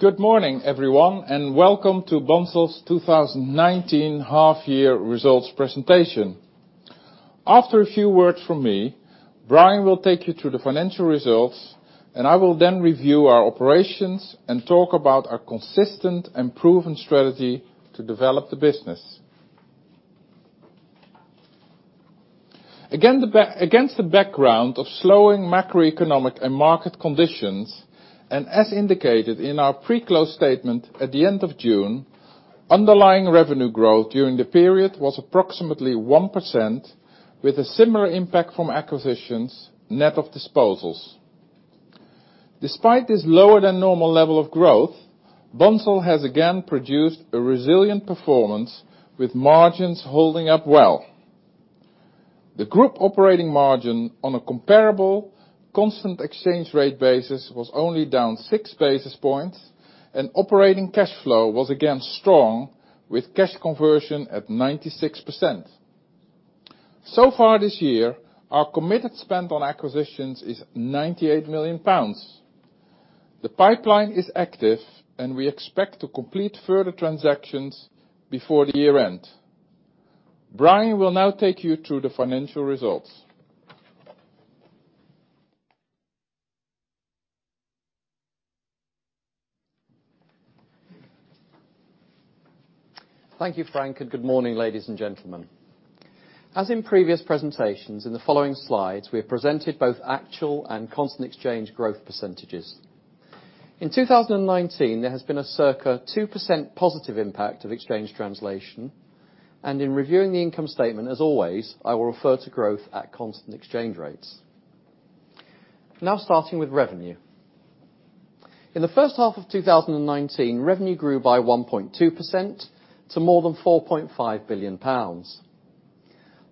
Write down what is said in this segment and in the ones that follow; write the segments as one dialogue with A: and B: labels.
A: Good morning, everyone. Welcome to Bunzl's 2019 half year results presentation. After a few words from me, Brian will take you through the financial results, and I will then review our operations and talk about our consistent and proven strategy to develop the business. Against the background of slowing macroeconomic and market conditions, and as indicated in our pre-close statement at the end of June, underlying revenue growth during the period was approximately 1% with a similar impact from acquisitions, net of disposals. Despite this lower than normal level of growth, Bunzl has again produced a resilient performance with margins holding up well. The group operating margin on a comparable constant exchange rate basis was only down six basis points. Operating cash flow was again strong with cash conversion at 96%. Far this year, our committed spend on acquisitions is 98 million pounds. The pipeline is active. We expect to complete further transactions before the year-end. Brian will now take you through the financial results.
B: Thank you, Frank. Good morning, ladies and gentlemen. As in previous presentations, in the following slides, we have presented both actual and constant exchange growth percentages. In 2019, there has been a circa 2% positive impact of exchange translation, and in reviewing the income statement, as always, I will refer to growth at constant exchange rates. Now starting with revenue. In the first half of 2019, revenue grew by 1.2% to more than 4.5 billion pounds.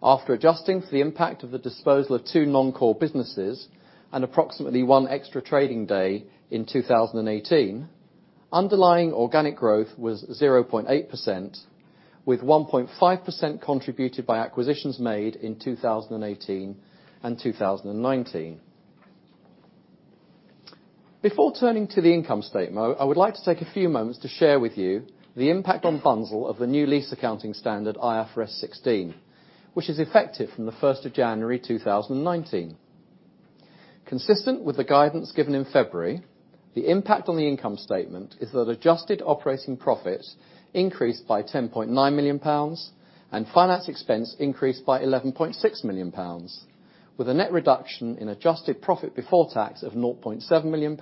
B: After adjusting for the impact of the disposal of two non-core businesses and approximately one extra trading day in 2018, underlying organic growth was 0.8%, with 1.5% contributed by acquisitions made in 2018 and 2019. Before turning to the income statement, I would like to take a few moments to share with you the impact on Bunzl of the new lease accounting standard IFRS 16, which is effective from the 1st of January 2019. Consistent with the guidance given in February, the impact on the income statement is that adjusted operating profit increased by GBP 10.9 million and finance expense increased by GBP 11.6 million with a net reduction in adjusted profit before tax of GBP 0.7 million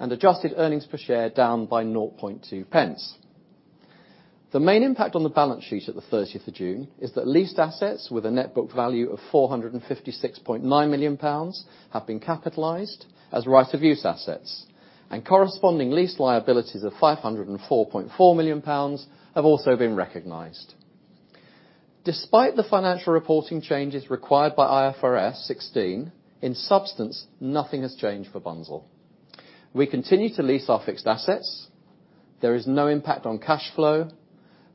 B: and adjusted earnings per share down by 0.002. The main impact on the balance sheet at the 30th of June is that leased assets with a net book value of 456.9 million pounds have been capitalized as right-of-use assets, and corresponding lease liabilities of 504.4 million pounds have also been recognized. Despite the financial reporting changes required by IFRS 16, in substance, nothing has changed for Bunzl. We continue to lease our fixed assets. There is no impact on cash flow.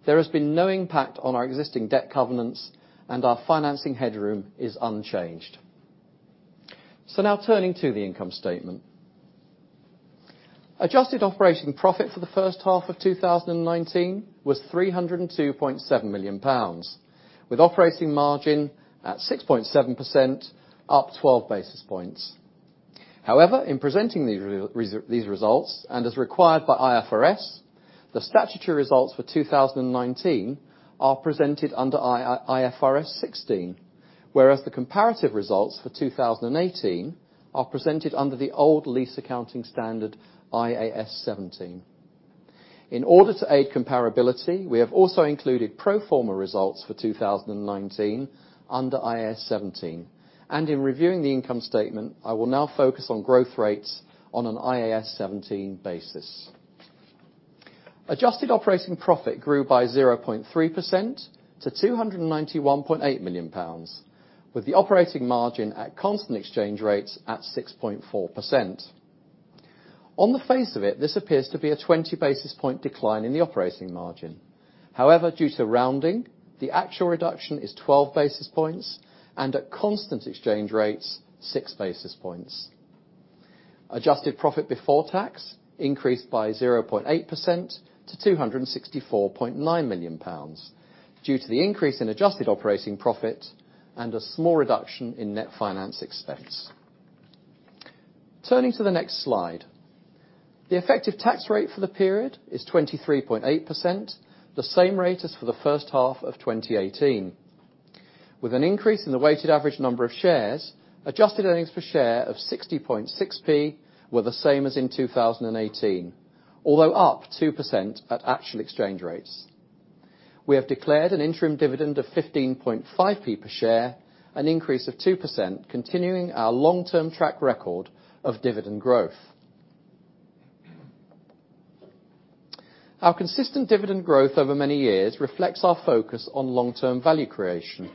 B: There has been no impact on our existing debt covenants, and our financing headroom is unchanged. Now turning to the income statement. Adjusted operating profit for the first half of 2019 was 302.7 million pounds with operating margin at 6.7% up 12 basis points. In presenting these results, and as required by IFRS, the statutory results for 2019 are presented under IFRS 16, whereas the comparative results for 2018 are presented under the old lease accounting standard, IAS 17. In order to aid comparability, we have also included pro forma results for 2019 under IAS 17, and in reviewing the income statement, I will now focus on growth rates on an IAS 17 basis. Adjusted operating profit grew by 0.3% to 291.8 million pounds with the operating margin at constant exchange rates at 6.4%. On the face of it, this appears to be a 20 basis point decline in the operating margin. Due to rounding, the actual reduction is 12 basis points, and at constant exchange rates, six basis points. Adjusted profit before tax increased by 0.8% to 264.9 million pounds due to the increase in adjusted operating profit and a small reduction in net finance expense. Turning to the next slide. The effective tax rate for the period is 23.8%, the same rate as for the first half of 2018. With an increase in the weighted average number of shares, adjusted earnings per share of 0.606 were the same as in 2018, although up 2% at actual exchange rates. We have declared an interim dividend of 0.155 per share, an increase of 2%, continuing our long-term track record of dividend growth. Our consistent dividend growth over many years reflects our focus on long-term value creation.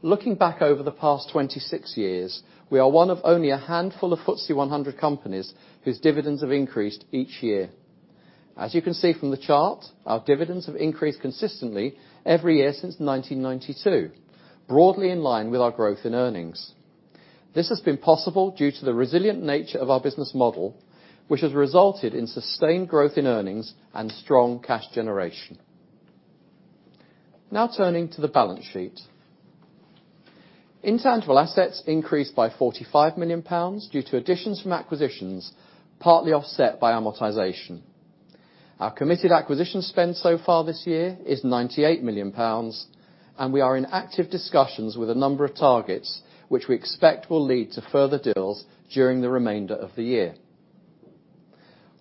B: Looking back over the past 26 years, we are one of only a handful of FTSE 100 companies whose dividends have increased each year. As you can see from the chart, our dividends have increased consistently every year since 1992, broadly in line with our growth in earnings. This has been possible due to the resilient nature of our business model, which has resulted in sustained growth in earnings and strong cash generation. Now turning to the balance sheet. Intangible assets increased by 45 million pounds due to additions from acquisitions, partly offset by amortization. Our committed acquisition spend so far this year is 98 million pounds, and we are in active discussions with a number of targets, which we expect will lead to further deals during the remainder of the year.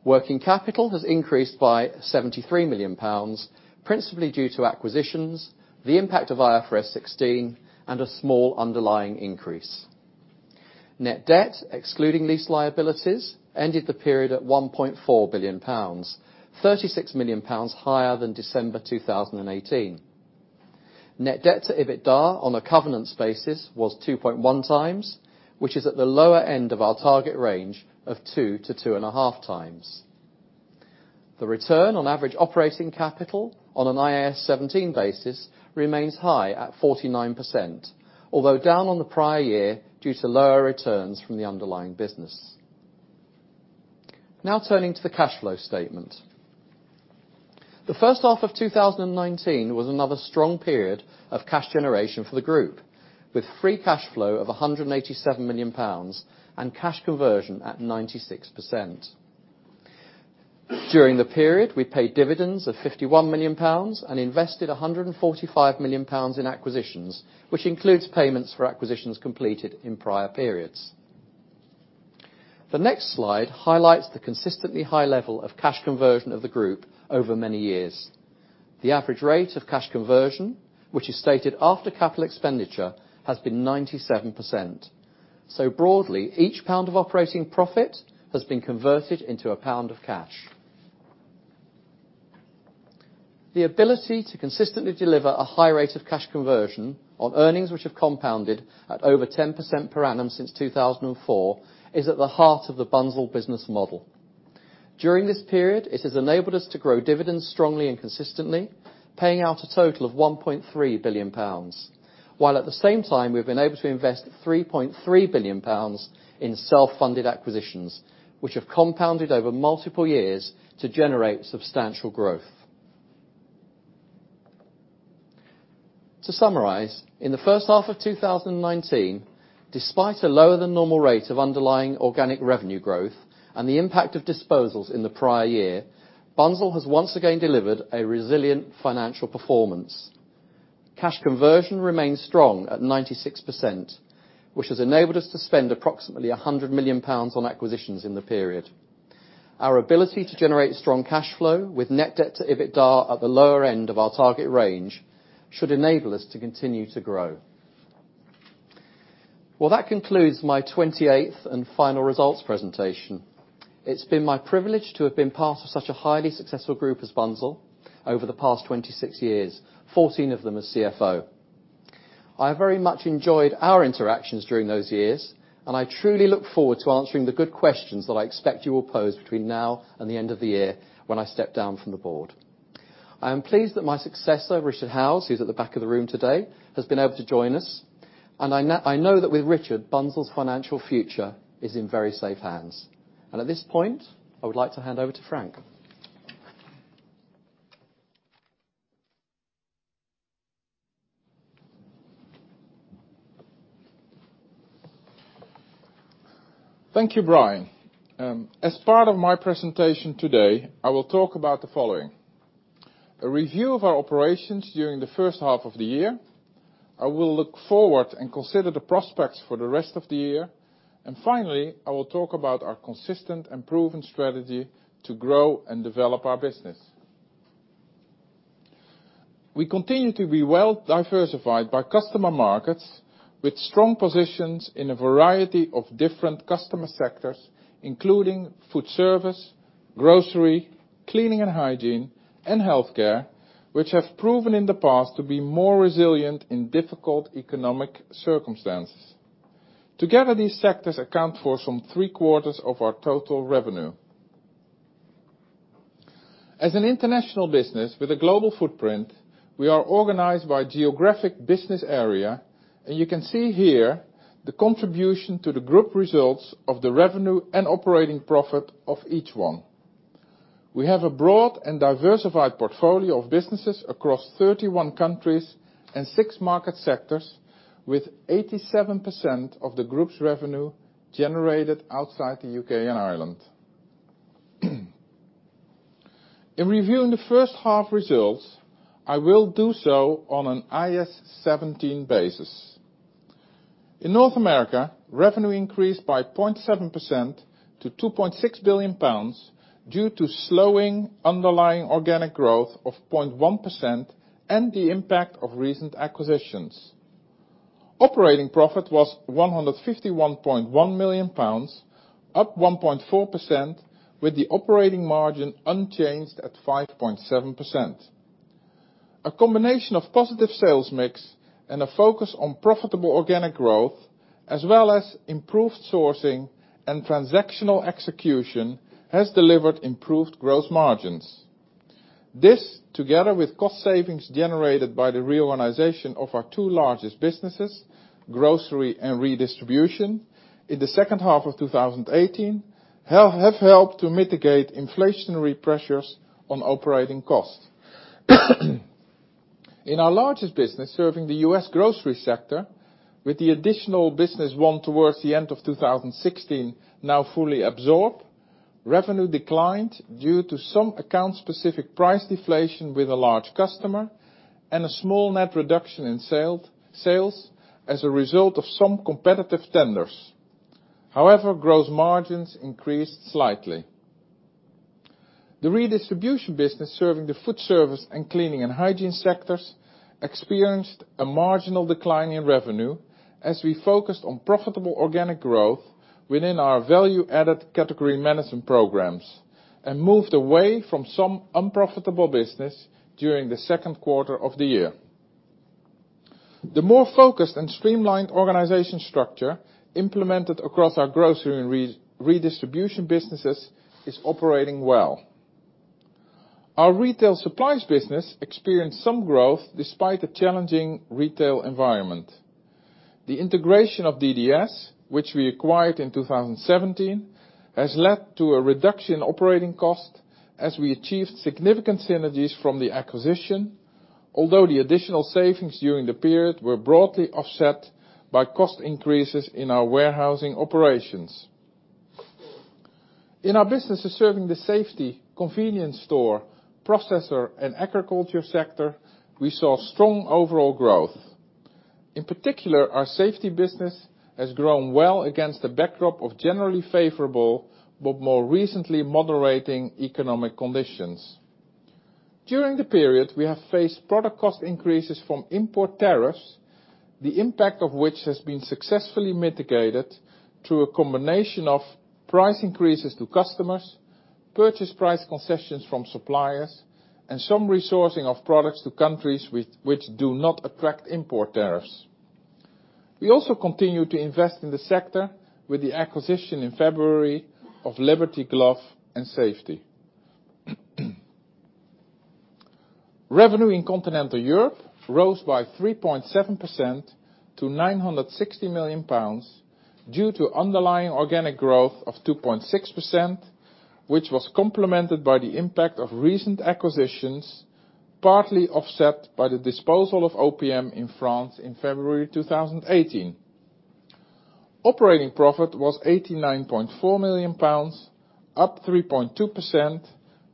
B: Working capital has increased by 73 million pounds, principally due to acquisitions, the impact of IFRS 16, and a small underlying increase. Net debt, excluding lease liabilities, ended the period at 1.4 billion pounds, 36 million pounds higher than December 2018. Net debt to EBITDA on a covenant basis was 2.1 times, which is at the lower end of our target range of 2-2.5 times. The return on average operating capital on an IAS 17 basis remains high at 49%, although down on the prior year due to lower returns from the underlying business. Turning to the cash flow statement. The first half of 2019 was another strong period of cash generation for the group, with free cash flow of £187 million and cash conversion at 96%. During the period, we paid dividends of £51 million and invested £145 million in acquisitions, which includes payments for acquisitions completed in prior periods. The next slide highlights the consistently high level of cash conversion of the group over many years. The average rate of cash conversion, which is stated after capital expenditure, has been 97%. Broadly, each pound of operating profit has been converted into a pound of cash. The ability to consistently deliver a high rate of cash conversion on earnings which have compounded at over 10% per annum since 2004 is at the heart of the Bunzl business model. During this period, it has enabled us to grow dividends strongly and consistently, paying out a total of 1.3 billion pounds, while at the same time, we've been able to invest 3.3 billion pounds in self-funded acquisitions, which have compounded over multiple years to generate substantial growth. In the first half of 2019, despite a lower than normal rate of underlying organic revenue growth and the impact of disposals in the prior year, Bunzl has once again delivered a resilient financial performance. Cash conversion remains strong at 96%, which has enabled us to spend approximately 100 million pounds on acquisitions in the period. Our ability to generate strong cash flow, with net debt to EBITDA at the lower end of our target range, should enable us to continue to grow. Well, that concludes my 28th and final results presentation. It's been my privilege to have been part of such a highly successful group as Bunzl over the past 26 years, 14 of them as CFO. I have very much enjoyed our interactions during those years, and I truly look forward to answering the good questions that I expect you will pose between now and the end of the year when I step down from the board. I am pleased that my successor, Richard Howes, who's at the back of the room today, has been able to join us, and I know that with Richard, Bunzl's financial future is in very safe hands. At this point, I would like to hand over to Frank.
A: Thank you, Brian. As part of my presentation today, I will talk about the following, a review of our operations during the first half of the year, I will look forward and consider the prospects for the rest of the year, and finally, I will talk about our consistent and proven strategy to grow and develop our business. We continue to be well-diversified by customer markets with strong positions in a variety of different customer sectors, including food service, grocery, cleaning and hygiene, and healthcare, which have proven in the past to be more resilient in difficult economic circumstances. Together, these sectors account for some three-quarters of our total revenue. As an international business with a global footprint, we are organized by geographic business area, and you can see here the contribution to the group results of the revenue and operating profit of each one. We have a broad and diversified portfolio of businesses across 31 countries and six market sectors, with 87% of the group's revenue generated outside the U.K. and Ireland. In reviewing the first half results, I will do so on an IAS 17 basis. In North America, revenue increased by 0.7% to 2.6 billion pounds due to slowing underlying organic growth of 0.1% and the impact of recent acquisitions. Operating profit was 151.1 million pounds, up 1.4%, with the operating margin unchanged at 5.7%. A combination of positive sales mix and a focus on profitable organic growth, as well as improved sourcing and transactional execution, has delivered improved gross margins. This, together with cost savings generated by the reorganization of our two largest businesses, grocery and redistribution, in the second half of 2018 have helped to mitigate inflationary pressures on operating costs. In our largest business serving the U.S. grocery sector, with the additional business won towards the end of 2016 now fully absorbed, revenue declined due to some account-specific price deflation with a large customer and a small net reduction in sales as a result of some competitive tenders. However, gross margins increased slightly. The redistribution business serving the food service and cleaning and hygiene sectors experienced a marginal decline in revenue as we focused on profitable organic growth within our value-added category management programs and moved away from some unprofitable business during the second quarter of the year. The more focused and streamlined organization structure implemented across our grocery and redistribution businesses is operating well. Our retail supplies business experienced some growth despite a challenging retail environment. The integration of DDS, which we acquired in 2017, has led to a reduction in operating cost as we achieved significant synergies from the acquisition, although the additional savings during the period were broadly offset by cost increases in our warehousing operations. In our businesses serving the safety, convenience store, processor, and agriculture sector, we saw strong overall growth. In particular, our safety business has grown well against the backdrop of generally favorable, but more recently moderating economic conditions. During the period, we have faced product cost increases from import tariffs, the impact of which has been successfully mitigated through a combination of price increases to customers, purchase price concessions from suppliers, and some resourcing of products to countries which do not attract import tariffs. We also continue to invest in the sector with the acquisition in February of Liberty Glove & Safety. Revenue in Continental Europe rose by 3.7% to 960 million pounds due to underlying organic growth of 2.6%, which was complemented by the impact of recent acquisitions, partly offset by the disposal of OPM in France in February 2018. Operating profit was 89.4 million pounds, up 3.2%,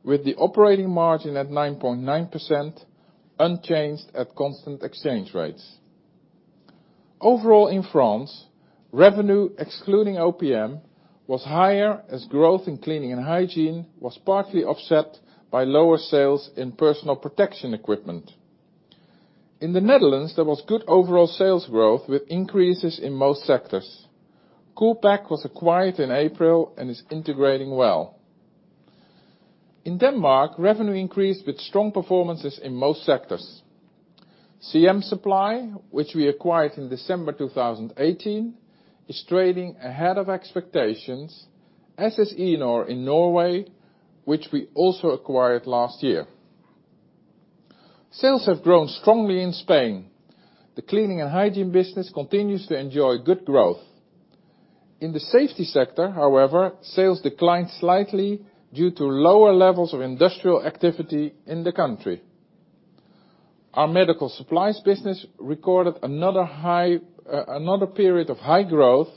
A: with the operating margin at 9.9%, unchanged at constant exchange rates. Overall, in France, revenue excluding OPM was higher as growth in cleaning and hygiene was partly offset by lower sales in personal protection equipment. In the Netherlands, there was good overall sales growth with increases in most sectors. Coolpack was acquired in April and is integrating well. In Denmark, revenue increased with strong performances in most sectors. CM Supply, which we acquired in December 2018, is trading ahead of expectations, as is Enor in Norway, which we also acquired last year. Sales have grown strongly in Spain. The cleaning and hygiene business continues to enjoy good growth. In the safety sector, however, sales declined slightly due to lower levels of industrial activity in the country. Our medical supplies business recorded another period of high growth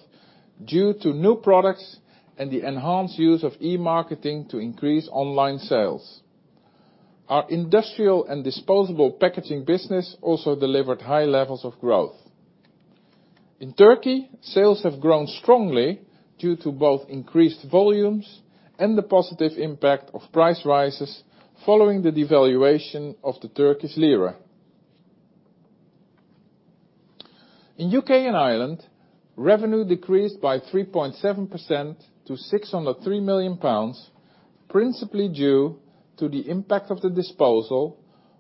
A: due to new products and the enhanced use of e-marketing to increase online sales. Our industrial and disposable packaging business also delivered high levels of growth. In Turkey, sales have grown strongly due to both increased volumes and the positive impact of price rises following the devaluation of the Turkish lira. In U.K. and Ireland, revenue decreased by 3.7% to 603 million pounds, principally due to the impact of the disposal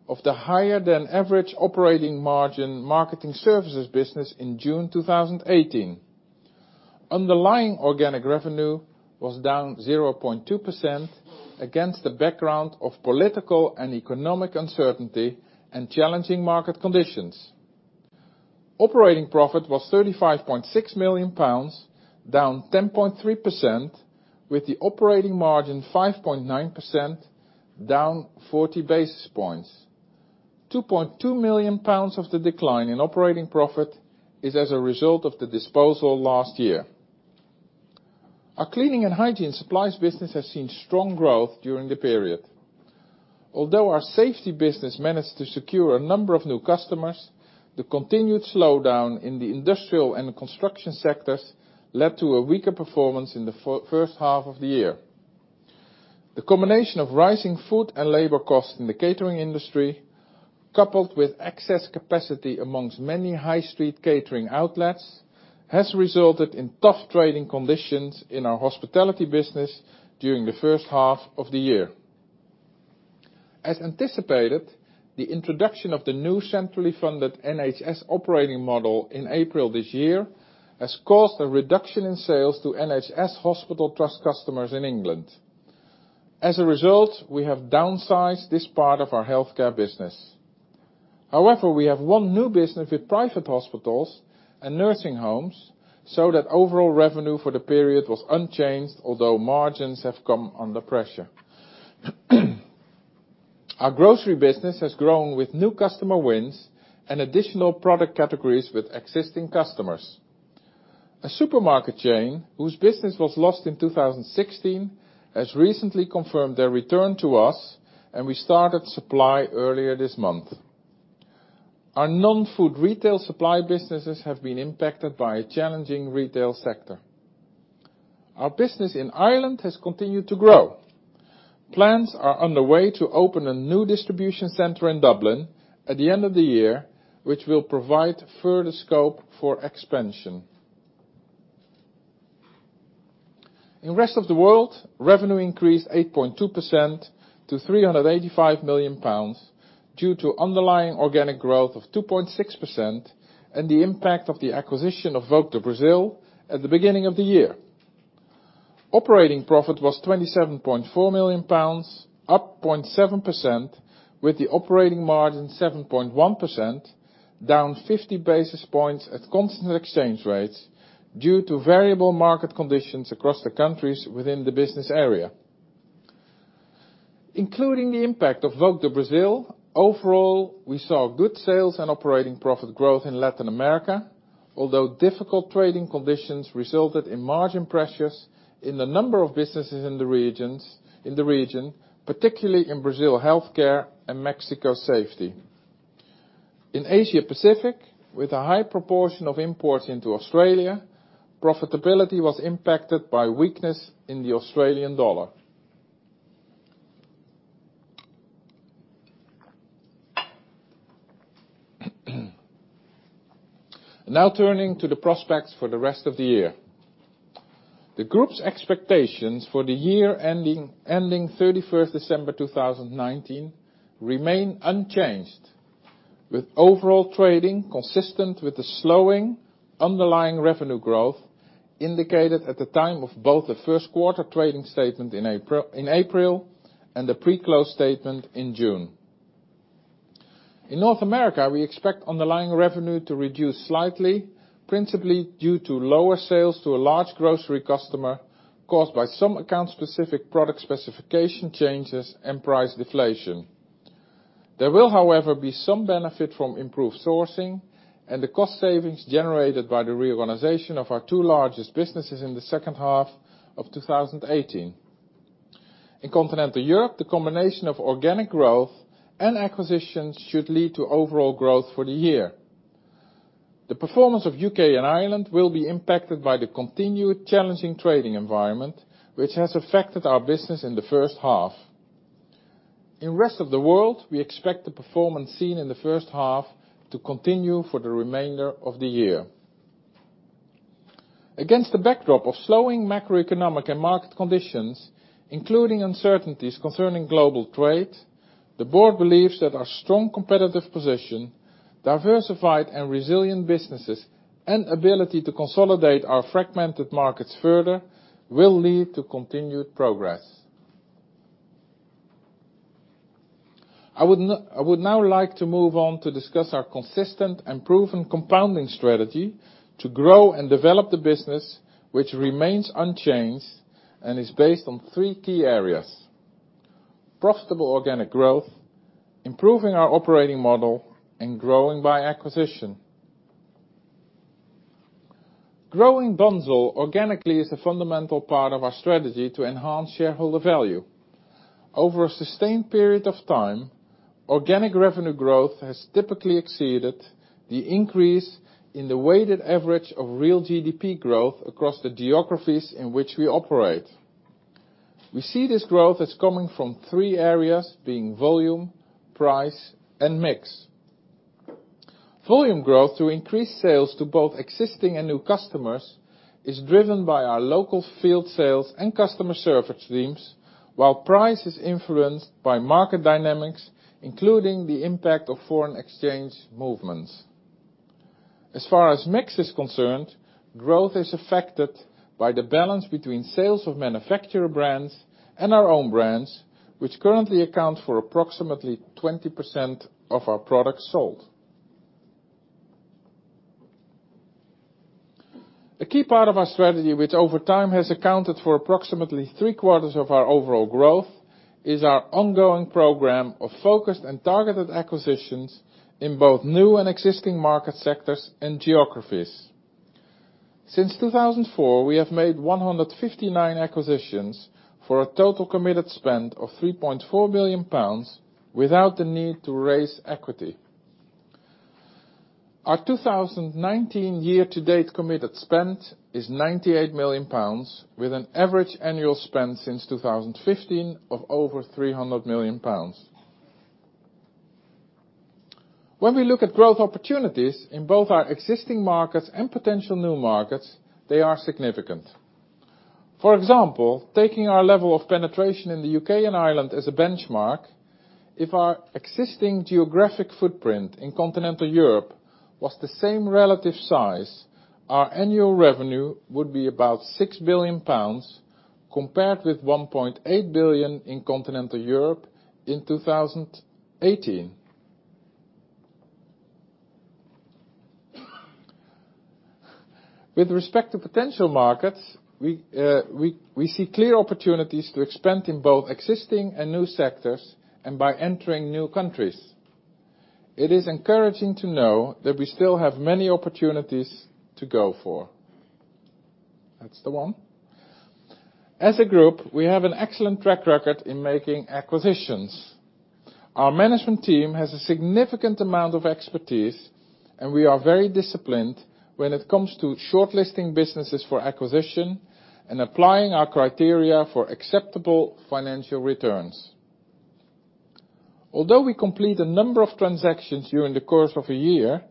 A: of the higher-than-average operating margin marketing services business in June 2018. Underlying organic revenue was down 0.2% against the background of political and economic uncertainty and challenging market conditions. Operating profit was £35.6 million, down 10.3%, with the operating margin 5.9%, down 40 basis points. £2.2 million of the decline in operating profit is as a result of the disposal last year. Our cleaning and hygiene supplies business has seen strong growth during the period. Although our safety business managed to secure a number of new customers, the continued slowdown in the industrial and construction sectors led to a weaker performance in the first half of the year. The combination of rising food and labor costs in the catering industry, coupled with excess capacity amongst many high street catering outlets, has resulted in tough trading conditions in our hospitality business during the first half of the year. As anticipated The introduction of the new centrally funded NHS operating model in April this year has caused a reduction in sales to NHS hospital trust customers in England. As a result, we have downsized this part of our healthcare business. However, we have won new business with private hospitals and nursing homes, so that overall revenue for the period was unchanged, although margins have come under pressure. Our grocery business has grown with new customer wins and additional product categories with existing customers. A supermarket chain whose business was lost in 2016 has recently confirmed their return to us, and we started supply earlier this month. Our non-food retail supply businesses have been impacted by a challenging retail sector. Our business in Ireland has continued to grow. Plans are underway to open a new distribution center in Dublin at the end of the year, which will provide further scope for expansion. In rest of the world, revenue increased 8.2% to 385 million pounds due to underlying organic growth of 2.6% and the impact of the acquisition of Volk do Brasil at the beginning of the year. Operating profit was 27.4 million pounds, up 0.7%, with the operating margin 7.1%, down 50 basis points at constant exchange rates due to variable market conditions across the countries within the business area. Including the impact of Volk do Brasil, overall, we saw good sales and operating profit growth in Latin America, although difficult trading conditions resulted in margin pressures in a number of businesses in the region, particularly in Brazil healthcare and Mexico safety. In Asia-Pacific, with a high proportion of imports into Australia, profitability was impacted by weakness in the Australian dollar. Turning to the prospects for the rest of the year. The group's expectations for the year ending 31st December 2019 remain unchanged, with overall trading consistent with the slowing underlying revenue growth indicated at the time of both the first quarter trading statement in April and the pre-close statement in June. In North America, we expect underlying revenue to reduce slightly, principally due to lower sales to a large grocery customer caused by some account-specific product specification changes and price deflation. There will, however, be some benefit from improved sourcing and the cost savings generated by the reorganization of our two largest businesses in the second half of 2018. In Continental Europe, the combination of organic growth and acquisitions should lead to overall growth for the year. The performance of U.K. and Ireland will be impacted by the continued challenging trading environment, which has affected our business in the first half. In rest of the world, we expect the performance seen in the first half to continue for the remainder of the year. Against the backdrop of slowing macroeconomic and market conditions, including uncertainties concerning global trade, the board believes that our strong competitive position, diversified and resilient businesses, and ability to consolidate our fragmented markets further, will lead to continued progress. I would now like to move on to discuss our consistent and proven compounding strategy to grow and develop the business, which remains unchanged and is based on three key areas: profitable organic growth, improving our operating model, and growing by acquisition. Growing Bunzl organically is a fundamental part of our strategy to enhance shareholder value. Over a sustained period of time, organic revenue growth has typically exceeded the increase in the weighted average of real GDP growth across the geographies in which we operate. We see this growth as coming from three areas, being volume, price, and mix. Volume growth through increased sales to both existing and new customers is driven by our local field sales and customer service teams, while price is influenced by market dynamics, including the impact of foreign exchange movements. As far as mix is concerned, growth is affected by the balance between sales of manufacturer brands and our own brands, which currently account for approximately 20% of our products sold. A key part of our strategy, which over time has accounted for approximately three-quarters of our overall growth, is our ongoing program of focused and targeted acquisitions in both new and existing market sectors and geographies. Since 2004, we have made 159 acquisitions for a total committed spend of 3.4 billion pounds without the need to raise equity. Our 2019 year-to-date committed spend is 98 million pounds, with an average annual spend since 2015 of over 300 million pounds. We look at growth opportunities in both our existing markets and potential new markets, they are significant. For example, taking our level of penetration in the U.K. and Ireland as a benchmark, if our existing geographic footprint in continental Europe was the same relative size, our annual revenue would be about 6 billion pounds, compared with 1.8 billion in continental Europe in 2018. With respect to potential markets, we see clear opportunities to expand in both existing and new sectors and by entering new countries. It is encouraging to know that we still have many opportunities to go for. That's the one. As a group, we have an excellent track record in making acquisitions. Our management team has a significant amount of expertise, and we are very disciplined when it comes to shortlisting businesses for acquisition and applying our criteria for acceptable financial returns. Although we complete a number of transactions during the course of a year,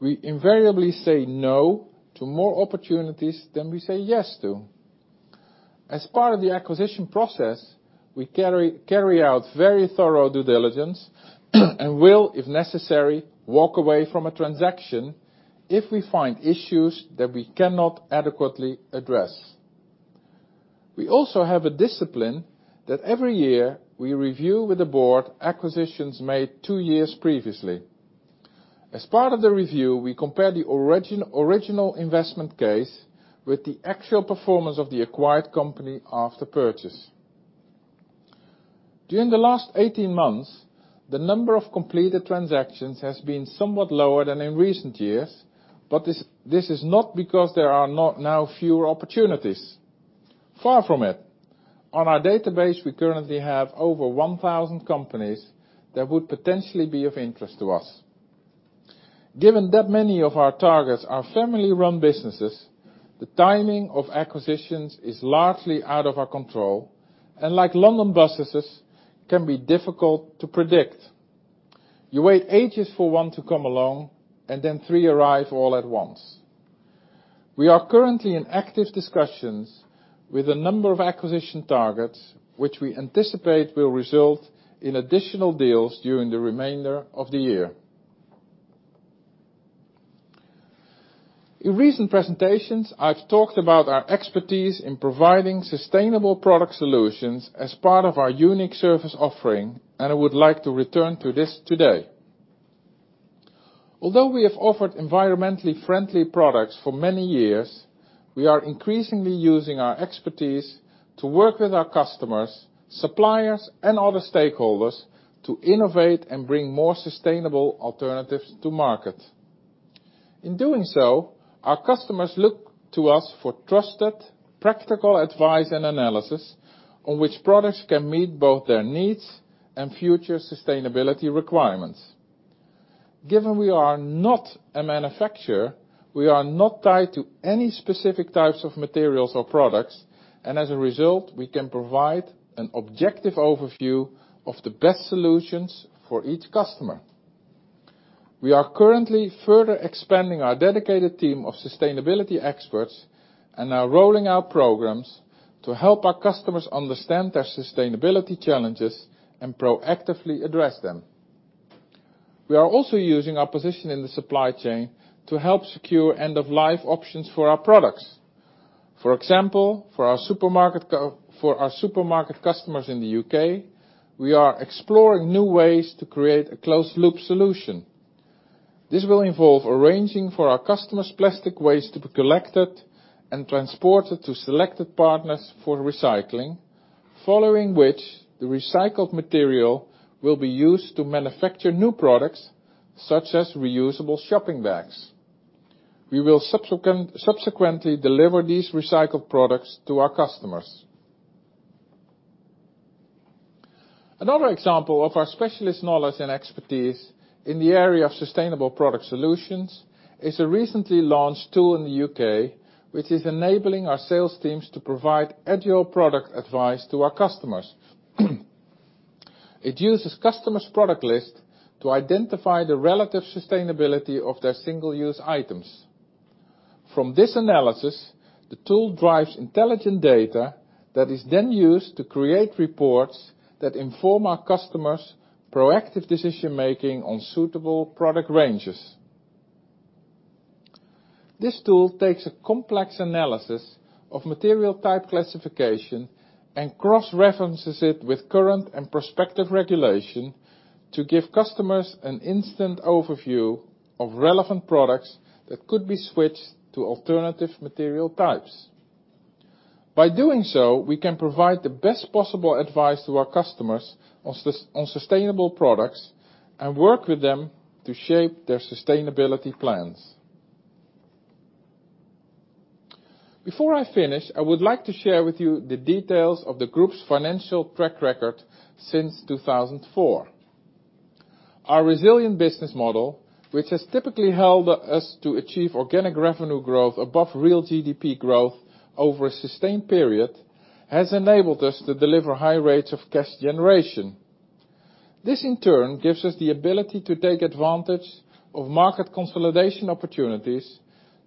A: we invariably say no to more opportunities than we say yes to. As part of the acquisition process, we carry out very thorough due diligence and will, if necessary, walk away from a transaction if we find issues that we cannot adequately address. We also have a discipline that every year we review with the board acquisitions made two years previously. As part of the review, we compare the original investment case with the actual performance of the acquired company after purchase. During the last 18 months, the number of completed transactions has been somewhat lower than in recent years, but this is not because there are now fewer opportunities. Far from it. On our database, we currently have over 1,000 companies that would potentially be of interest to us. Given that many of our targets are family-run businesses, the timing of acquisitions is largely out of our control, and like London buses, can be difficult to predict. You wait ages for one to come along, and then three arrive all at once. We are currently in active discussions with a number of acquisition targets, which we anticipate will result in additional deals during the remainder of the year. In recent presentations, I've talked about our expertise in providing sustainable product solutions as part of our unique service offering, and I would like to return to this today. Although we have offered environmentally friendly products for many years, we are increasingly using our expertise to work with our customers, suppliers, and other stakeholders to innovate and bring more sustainable alternatives to market. In doing so, our customers look to us for trusted, practical advice and analysis on which products can meet both their needs and future sustainability requirements. Given we are not a manufacturer, we are not tied to any specific types of materials or products, and as a result, we can provide an objective overview of the best solutions for each customer. We are currently further expanding our dedicated team of sustainability experts and are rolling out programs to help our customers understand their sustainability challenges and proactively address them. We are also using our position in the supply chain to help secure end-of-life options for our products. For example, for our supermarket customers in the U.K., we are exploring new ways to create a closed-loop solution. This will involve arranging for our customers' plastic waste to be collected and transported to selected partners for recycling, following which the recycled material will be used to manufacture new products, such as reusable shopping bags. We will subsequently deliver these recycled products to our customers. Another example of our specialist knowledge and expertise in the area of sustainable product solutions is a recently launched tool in the U.K., which is enabling our sales teams to provide agile product advice to our customers. It uses customers' product list to identify the relative sustainability of their single-use items. From this analysis, the tool drives intelligent data that is then used to create reports that inform our customers' proactive decision-making on suitable product ranges. This tool takes a complex analysis of material type classification and cross-references it with current and prospective regulation to give customers an instant overview of relevant products that could be switched to alternative material types. By doing so, we can provide the best possible advice to our customers on sustainable products and work with them to shape their sustainability plans. Before I finish, I would like to share with you the details of the group's financial track record since 2004. Our resilient business model, which has typically helped us to achieve organic revenue growth above real GDP growth over a sustained period, has enabled us to deliver high rates of cash generation. This, in turn, gives us the ability to take advantage of market consolidation opportunities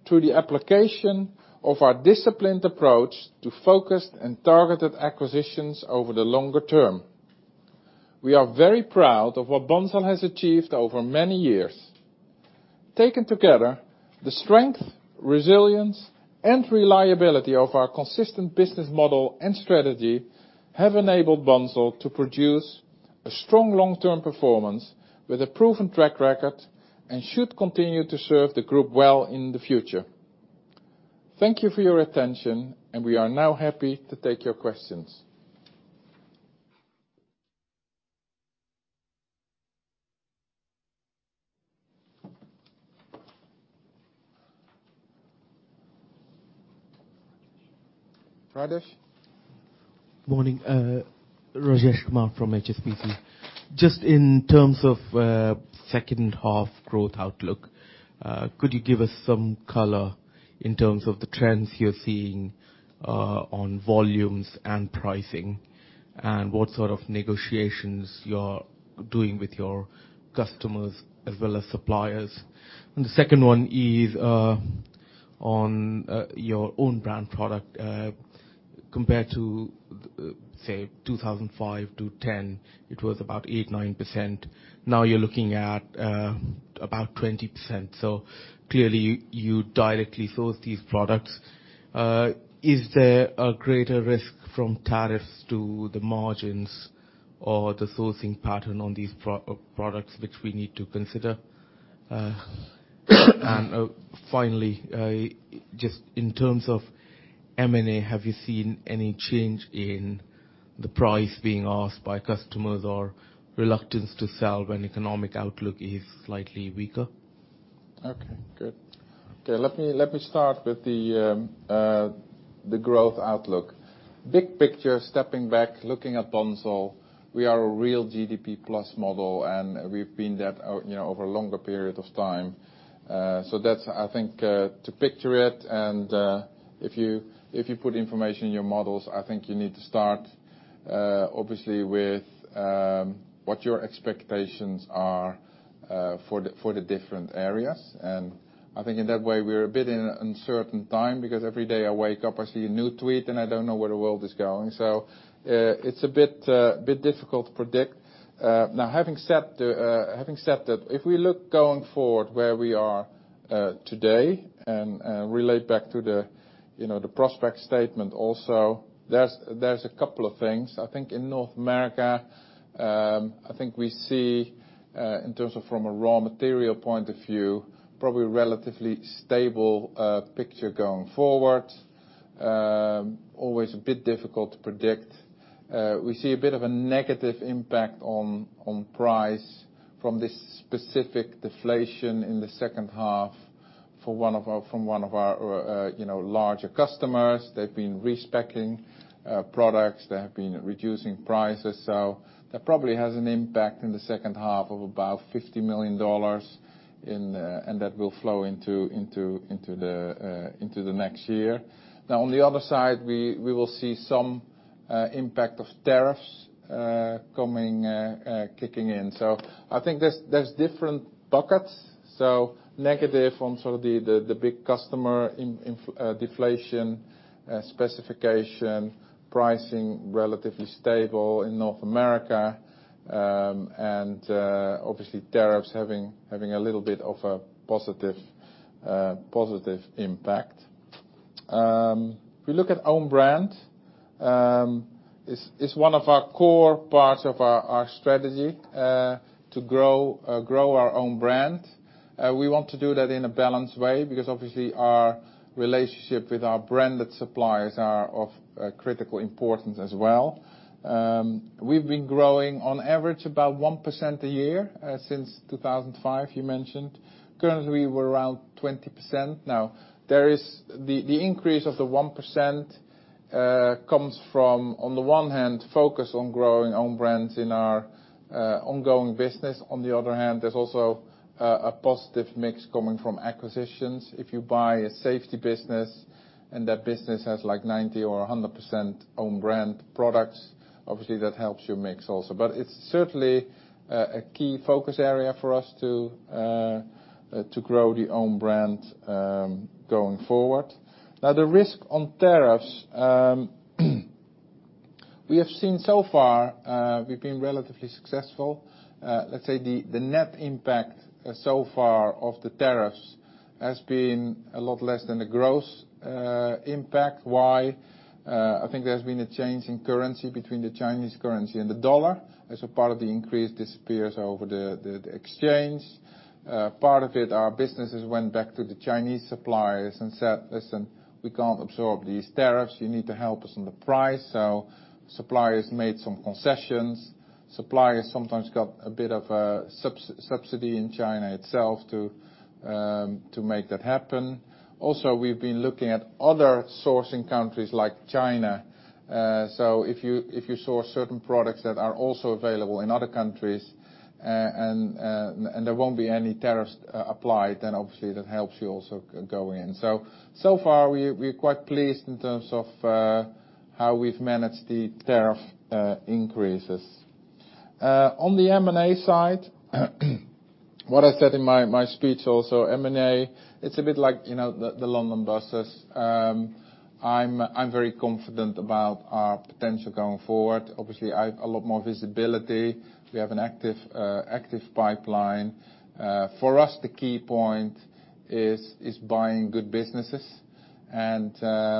A: through the application of our disciplined approach to focused and targeted acquisitions over the longer term. We are very proud of what Bunzl has achieved over many years. Taken together, the strength, resilience, and reliability of our consistent business model and strategy have enabled Bunzl to produce a strong long-term performance with a proven track record, and should continue to serve the group well in the future. Thank you for your attention, and we are now happy to take your questions. Rajesh?
C: Morning. Rajesh Kumar from HSBC. Just in terms of second half growth outlook, could you give us some color in terms of the trends you're seeing on volumes and pricing, and what sort of negotiations you're doing with your customers as well as suppliers? The second one is on your own brand product, compared to, say, 2005 to 2010, it was about 8%-9%. Now you're looking at about 20%. Clearly, you directly source these products. Is there a greater risk from tariffs to the margins or the sourcing pattern on these products, which we need to consider? Finally, just in terms of M&A, have you seen any change in the price being asked by customers or reluctance to sell when economic outlook is slightly weaker?
A: Okay, good. Let me start with the growth outlook. Big picture, stepping back, looking at Bunzl, we are a real GDP plus model. We've been that over a longer period of time. That's, I think, to picture it. If you put information in your models, I think you need to start, obviously, with what your expectations are for the different areas. I think in that way, we're a bit in an uncertain time, because every day I wake up, I see a new tweet, and I don't know where the world is going. It's a bit difficult to predict. Now, having said that, if we look going forward where we are today and relate back to the prospect statement also, there's a couple of things. I think in North America, I think we see, from a raw material point of view, probably relatively stable picture going forward. Always a bit difficult to predict. We see a bit of a negative impact on price from this specific deflation in the second half from one of our larger customers. They've been respec-ing products. They have been reducing prices. That probably has an impact in the second half of about $50 million, and that will flow into the next year. On the other side, we will see some impact of tariffs kicking in. I think there's different buckets. Negative on sort of the big customer deflation specification, pricing relatively stable in North America, and obviously tariffs having a little bit of a positive impact. If we look at own brand, it's one of our core parts of our strategy to grow our own brand. We want to do that in a balanced way, because obviously our relationship with our branded suppliers are of critical importance as well. We've been growing on average about 1% a year since 2005, you mentioned. Currently, we're around 20%. Now, the increase of the 1% comes from, on the one hand, focus on growing own brands in our ongoing business. On the other hand, there's also a positive mix coming from acquisitions. If you buy a safety business and that business has like 90% or 100% own brand products, obviously that helps your mix also. It's certainly a key focus area for us to grow the own brand going forward. Now, the risk on tariffs. We have seen so far, we've been relatively successful. Let's say the net impact so far of the tariffs has been a lot less than the gross impact. Why? I think there's been a change in currency between the Chinese currency and the USD. As a part of the increase disappears over the exchange. Part of it, our businesses went back to the Chinese suppliers and said, "Listen, we can't absorb these tariffs. You need to help us on the price." Suppliers made some concessions. Suppliers sometimes got a bit of a subsidy in China itself to make that happen. Also, we've been looking at other sourcing countries like China. If you source certain products that are also available in other countries and there won't be any tariffs applied, then obviously that helps you also go in. So far, we're quite pleased in terms of how we've managed the tariff increases. On the M&A side, what I said in my speech also, M&A, it's a bit like the London buses. I'm very confident about our potential going forward. Obviously, I have a lot more visibility. We have an active pipeline. For us, the key point is buying good businesses. I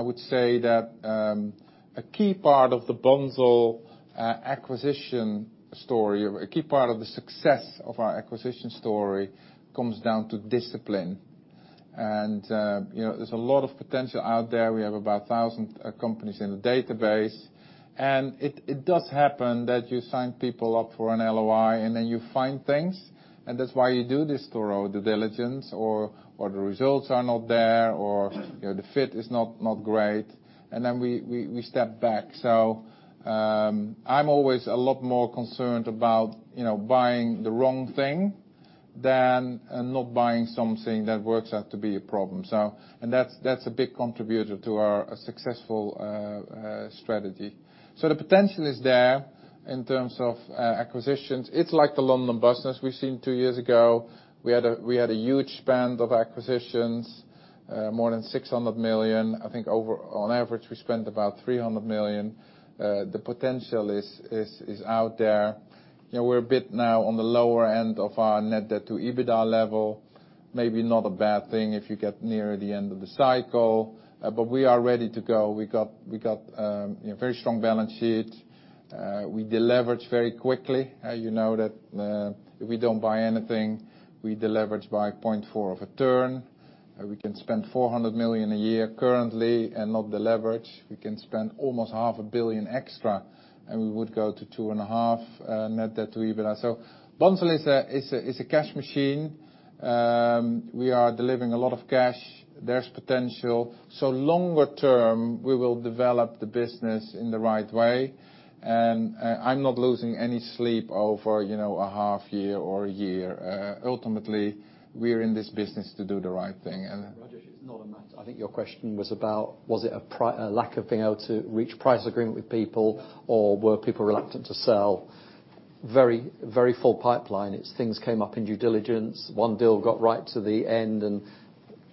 A: would say that a key part of the Bunzl acquisition story, or a key part of the success of our acquisition story, comes down to discipline. There's a lot of potential out there. We have about 1,000 companies in the database, and it does happen that you sign people up for an LOI, and then you find things, and that's why you do this thorough due diligence, or the results are not there, or the fit is not great, and then we step back. I'm always a lot more concerned about buying the wrong thing than not buying something that works out to be a problem. That's a big contributor to our successful strategy. The potential is there in terms of acquisitions. It's like the London buses. We've seen two years ago, we had a huge spend of acquisitions, more than 600 million. I think on average, we spent about 300 million. The potential is out there. We're a bit now on the lower end of our net debt to EBITDA level. Maybe not a bad thing if you get near the end of the cycle. We are ready to go. We got very strong balance sheet. We deleverage very quickly. You know that if we don't buy anything, we deleverage by 0.4 of a turn. We can spend 400 million a year currently and not deleverage. We can spend almost GBP half a billion extra, and we would go to 2.5 net debt to EBITDA. Bunzl is a cash machine. We are delivering a lot of cash. There's potential. Longer term, we will develop the business in the right way, and I'm not losing any sleep over a half year or a year. Ultimately, we're in this business to do the right thing.
B: Rajesh, I think your question was about, was it a lack of being able to reach price agreement with people, or were people reluctant to sell? Very full pipeline. It's things came up in due diligence. One deal got right to the end, and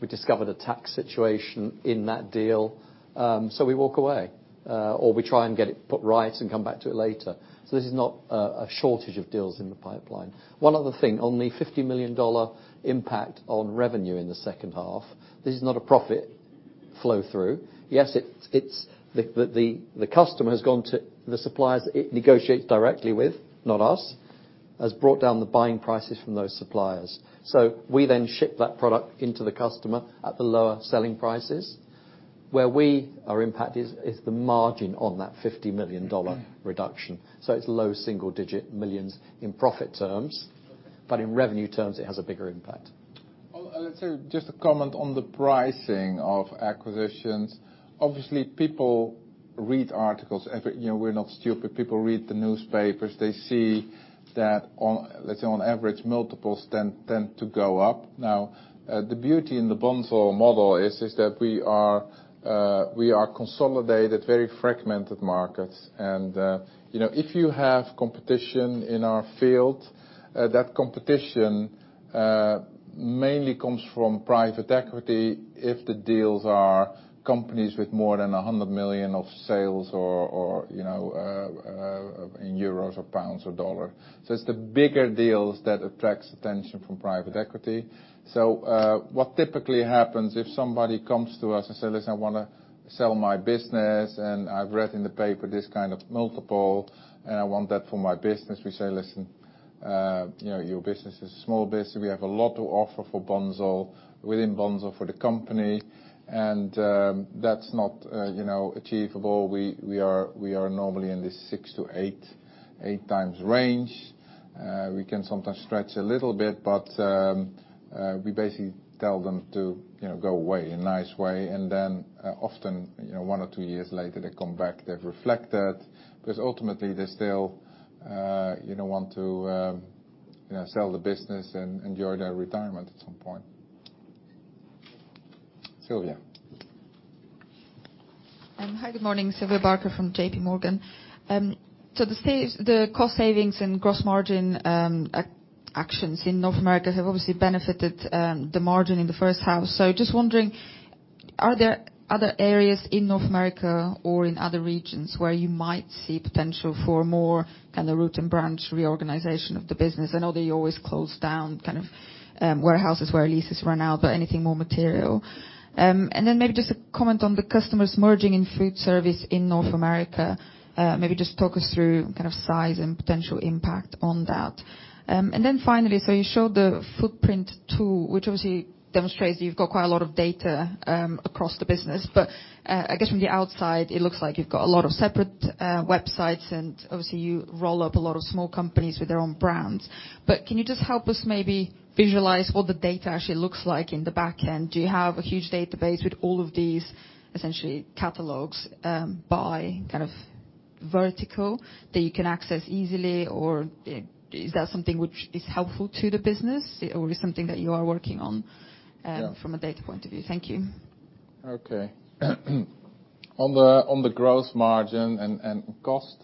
B: we discovered a tax situation in that deal. We walk away, or we try and get it put right and come back to it later. This is not a shortage of deals in the pipeline. One other thing. On the GBP 50 million impact on revenue in the second half, this is not a profit flow-through. Yes, it's the customer has gone to the suppliers it negotiates directly with, not us, has brought down the buying prices from those suppliers. We then ship that product into the customer at the lower selling prices. Where we are impacted is the margin on that $50 million reduction. It's low single-digit millions in profit terms, but in revenue terms, it has a bigger impact.
A: Let's say, just a comment on the pricing of acquisitions. Obviously, people read articles. We're not stupid. People read the newspapers. They see that on, let's say on average, multiples tend to go up. The beauty in the Bunzl model is that we are consolidated, very fragmented markets. If you have competition in our field, that competition mainly comes from private equity if the deals are companies with more than 100 million of sales or in EUR or GBP or USD. It's the bigger deals that attracts attention from private equity. What typically happens if somebody comes to us and says, "Listen, I want to sell my business, and I've read in the paper this kind of multiple, and I want that for my business," we say, "Listen, your business is a small business. We have a lot to offer for Bunzl, within Bunzl, for the company. That's not achievable. We are normally in the six to eight times range. We can sometimes stretch a little bit, but we basically tell them to go away in a nice way. Often, one or two years later, they come back. They've reflected because ultimately they still want to sell the business and enjoy their retirement at some point. Sylvia.
D: Hi, good morning. Sylvia Barker from JPMorgan. The cost savings and gross margin actions in North America have obviously benefited the margin in the first half. Just wondering, are there other areas in North America or in other regions where you might see potential for more kind of root and branch reorganization of the business? I know that you always close down warehouses where leases run out, but anything more material? Maybe just a comment on the customers merging in food service in North America. Maybe just talk us through kind of size and potential impact on that. Finally, you showed the footprint tool, which obviously demonstrates that you've got quite a lot of data across the business. I guess from the outside, it looks like you've got a lot of separate websites, and obviously you roll up a lot of small companies with their own brands. Can you just help us maybe visualize what the data actually looks like on the back end? Do you have a huge database with all of these essentially catalogs by kind of vertical that you can access easily? Is that something which is helpful to the business or is something that you are working on from a data point of view? Thank you.
A: Okay. On the gross margin and cost,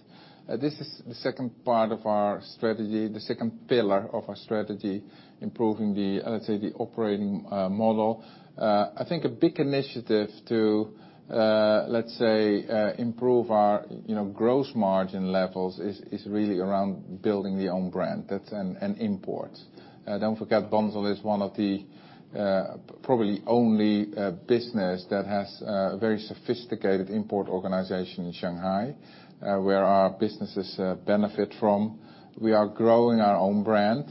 A: this is the second part of our strategy, the second pillar of our strategy, improving the, let's say, the operating model. I think a big initiative to, let's say, improve our gross margin levels is really around building the own brand. That's an import. Don't forget, Bunzl is one of the, probably only business that has a very sophisticated import organization in Shanghai, where our businesses benefit from. We are growing our own brand.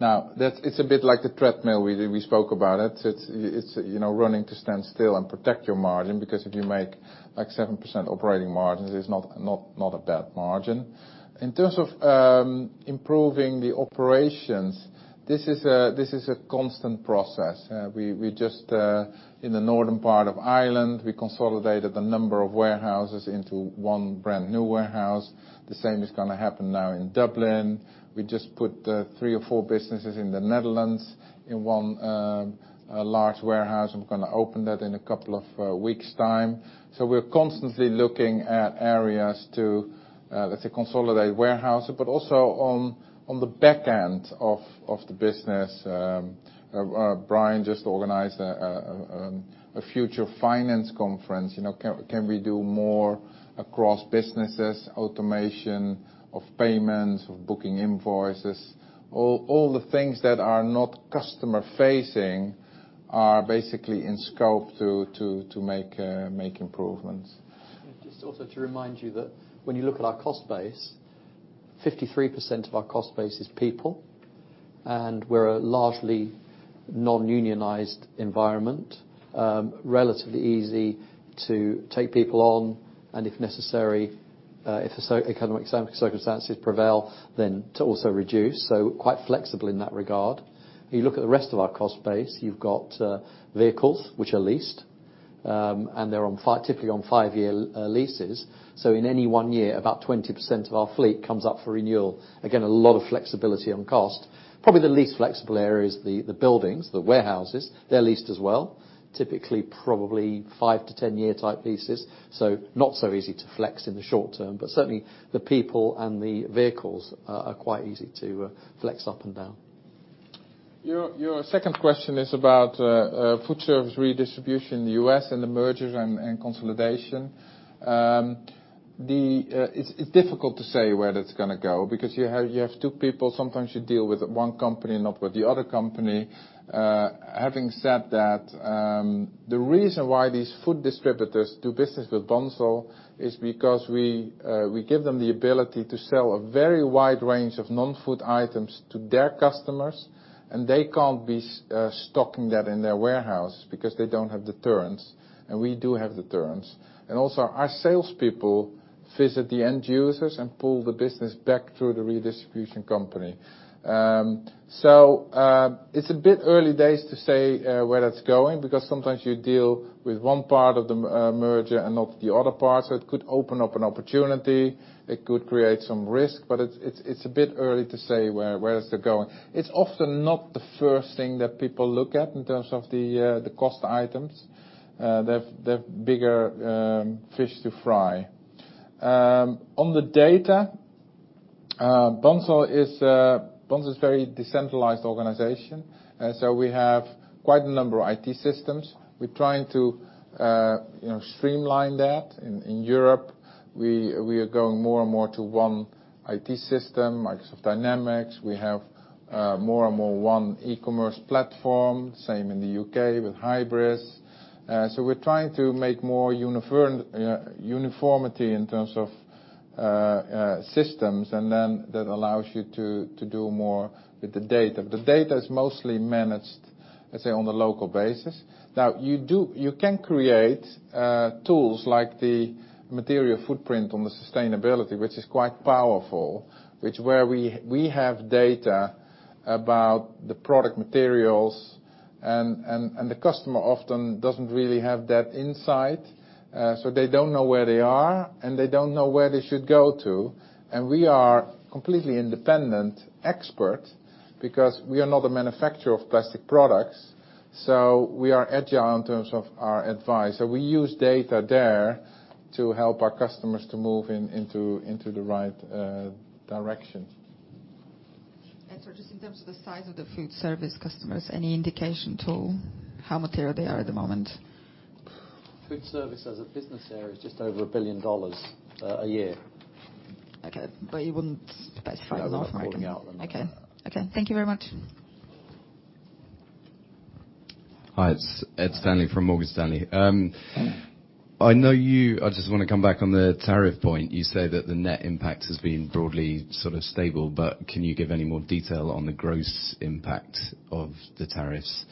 A: Now, it's a bit like the treadmill. We spoke about it. It's running to stand still and protect your margin, because if you make 7% operating margins, it's not a bad margin. In terms of improving the operations, this is a constant process. We just, in the northern part of Ireland, we consolidated a number of warehouses into one brand new warehouse. The same is going to happen now in Dublin. We just put three or four businesses in the Netherlands in one large warehouse, and we're going to open that in a couple of weeks' time. We're constantly looking at areas to, let's say, consolidate warehouse, but also on the back end of the business. Brian just organized a future finance conference. Can we do more across businesses, automation of payments, of booking invoices? All the things that are not customer-facing are basically in scope to make improvements.
B: Just also to remind you that when you look at our cost base, 53% of our cost base is people, and we're a largely non-unionized environment. Relatively easy to take people on, and if necessary, if economic circumstances prevail, then to also reduce, so quite flexible in that regard. You look at the rest of our cost base, you've got vehicles, which are leased, and they're typically on five-year leases. In any one year, about 20% of our fleet comes up for renewal. Again, a lot of flexibility on cost. Probably the least flexible area is the buildings, the warehouses. They're leased as well. Typically, probably 5- to 10-year type leases, so not so easy to flex in the short term, but certainly the people and the vehicles are quite easy to flex up and down.
A: Your second question is about food service redistribution in the U.S. and the mergers and consolidation. It's difficult to say where that's going to go because you have two people. Sometimes you deal with one company and not with the other company. Having said that, the reason why these food distributors do business with Bunzl is because we give them the ability to sell a very wide range of non-food items to their customers, and they can't be stocking that in their warehouse because they don't have the turns, and we do have the turns. Also, our salespeople visit the end users and pull the business back through the redistribution company. It's a bit early days to say where that's going, because sometimes you deal with one part of the merger and not the other part. It could open up an opportunity. It could create some risk, but it's a bit early to say where it's going. It's often not the first thing that people look at in terms of the cost items. They have bigger fish to fry. On the data, Bunzl is a very decentralized organization. We have quite a number of IT systems. We're trying to streamline that. In Europe, we are going more and more to one IT system, Microsoft Dynamics. We have more and more one e-commerce platform, same in the U.K. with Hybris. We're trying to make more uniformity in terms of systems. That allows you to do more with the data. The data is mostly managed, let's say, on a local basis. You can create tools like the material footprint on the sustainability, which is quite powerful, which where we have data about the product materials, and the customer often doesn't really have that insight. They don't know where they are, and they don't know where they should go to. We are completely independent expert because we are not a manufacturer of plastic products. We are agile in terms of our advice. We use data there to help our customers to move into the right direction.
D: Just in terms of the size of the food service customers, any indication to how material they are at the moment?
B: Food service as a business area is just over $1 billion a year.
D: Okay. You wouldn't specify North America?
B: I would not break them out.
D: Okay. Thank you very much.
E: Hi, it's Ed Stanley from Morgan Stanley. I just want to come back on the tariff point. You say that the net impact has been broadly sort of stable, but can you give any more detail on the gross impact of the tariffs?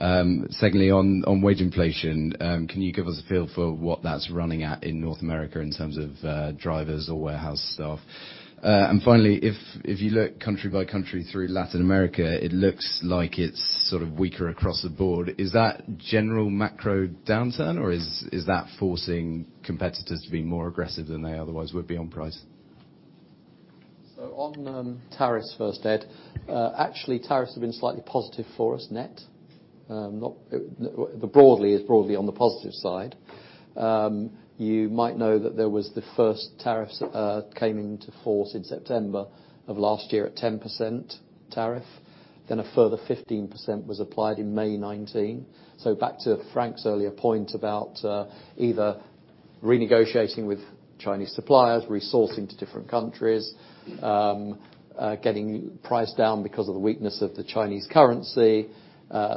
E: Secondly, on wage inflation, can you give us a feel for what that's running at in North America in terms of drivers or warehouse staff? Finally, if you look country by country through Latin America, it looks like it's sort of weaker across the board. Is that general macro downturn, or is that forcing competitors to be more aggressive than they otherwise would be on price?
B: On tariffs first, Ed. Actually, tariffs have been slightly positive for us net. Broadly, it's broadly on the positive side. You might know that there was the first tariffs that came into force in September of last year at 10% tariff. A further 15% was applied in May 2019. Back to Frank's earlier point about either renegotiating with Chinese suppliers, resourcing to different countries, getting price down because of the weakness of the Chinese currency,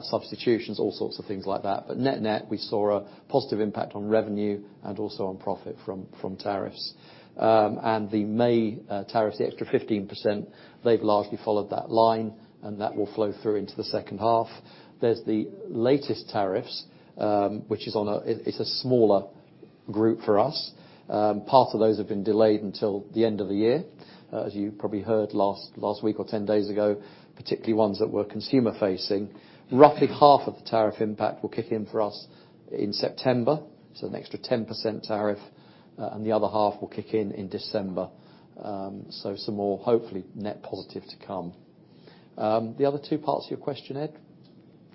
B: substitutions, all sorts of things like that. Net net, we saw a positive impact on revenue and also on profit from tariffs. The May tariffs, the extra 15%, they've largely followed that line, and that will flow through into the second half. There's the latest tariffs, which is a smaller group for us. Part of those have been delayed until the end of the year, as you probably heard last week or 10 days ago, particularly ones that were consumer-facing. Roughly half of the tariff impact will kick in for us in September, so an extra 10% tariff, and the other half will kick in in December. Some more, hopefully, net positive to come. The other two parts of your question, Ed?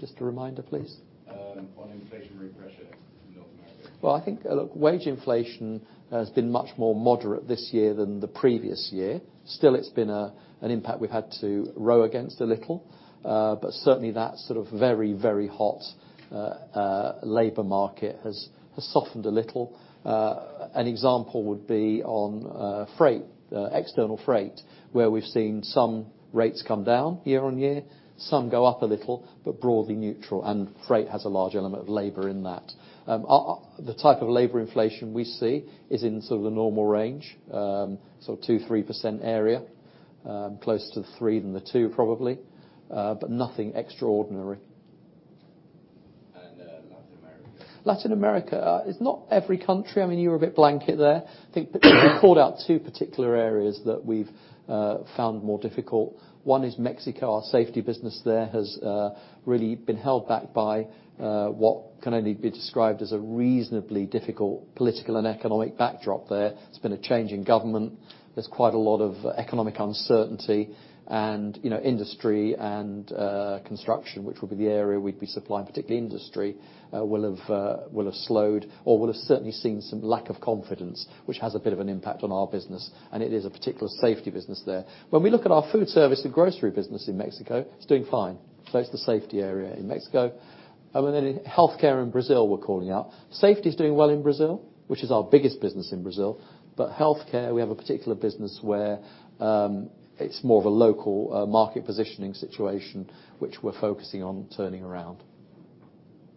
B: Just a reminder, please.
E: On inflationary pressure in North America.
B: I think, wage inflation has been much more moderate this year than the previous year. Still, it's been an impact we've had to row against a little. Certainly, that sort of very, very hot labor market has softened a little. An example would be on freight, external freight, where we've seen some rates come down year-over-year, some go up a little, but broadly neutral, and freight has a large element of labor in that. The type of labor inflation we see is in sort of the normal range, so 2%-3% area. Closer to the 3% than the 2% probably, but nothing extraordinary.
E: Latin America?
B: Latin America. It's not every country. You were a bit blanket there. I think we called out two particular areas that we've found more difficult. One is Mexico. Our safety business there has really been held back by what can only be described as a reasonably difficult political and economic backdrop there. There's been a change in government. There's quite a lot of economic uncertainty, and industry and construction, which will be the area we'd be supplying, particularly industry will have slowed or will have certainly seen some lack of confidence, which has a bit of an impact on our business, and it is a particular safety business there. When we look at our food service and grocery business in Mexico, it's doing fine. It's the safety area in Mexico. In healthcare in Brazil, we're calling out. Safety's doing well in Brazil, which is our biggest business in Brazil. Healthcare, we have a particular business where it's more of a local market positioning situation, which we're focusing on turning around.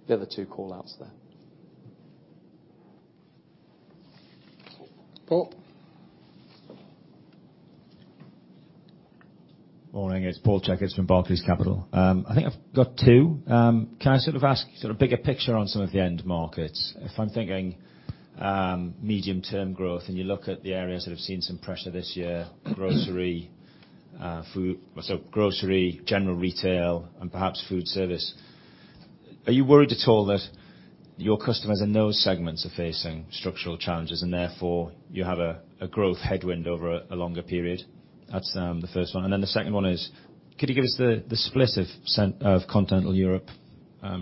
B: The other two call-outs there.
A: Paul?
F: Morning. It's Paul Checketts from Barclays Capital. I think I've got two. Can I ask you bigger picture on some of the end markets? If I'm thinking medium term growth, and you look at the areas that have seen some pressure this year, grocery, general retail, and perhaps food service. Are you worried at all that your customers in those segments are facing structural challenges, and therefore you have a growth headwind over a longer period? That's the first one. Then the second one is, could you give us the split of Continental Europe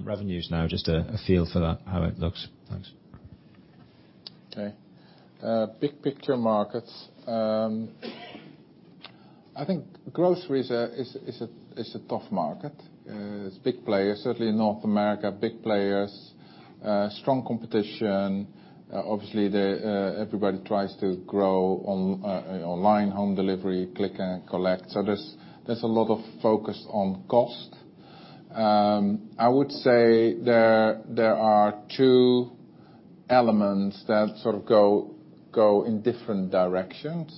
F: revenues now? Just a feel for that, how it looks. Thanks.
A: Okay. Big picture markets. I think grocery is a tough market. It's big players, certainly in North America, big players, strong competition. Obviously, everybody tries to grow online, home delivery, click and collect. There's a lot of focus on cost. I would say there are two elements that sort of go in different directions.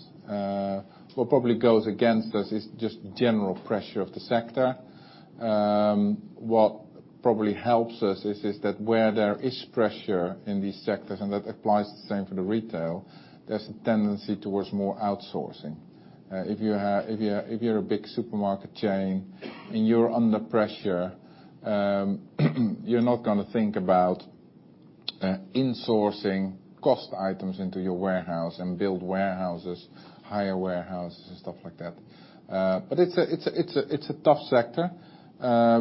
A: What probably goes against us is just general pressure of the sector. What probably helps us is that where there is pressure in these sectors, and that applies the same for the retail, there's a tendency towards more outsourcing. If you're a big supermarket chain and you're under pressure, you're not going to think about insourcing cost items into your warehouse and build warehouses, hire warehouses and stuff like that. It's a tough sector.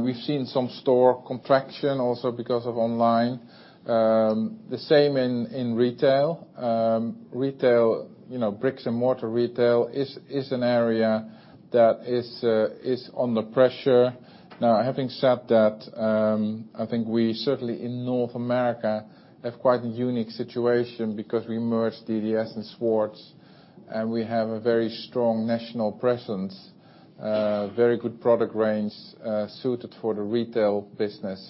A: We've seen some store contraction also because of online. The same in retail. Bricks and mortar retail is an area that is under pressure. Now, having said that, I think we certainly in North America have quite a unique situation because we merged DDS and Schwarz, and we have a very strong national presence, very good product range suited for the retail business.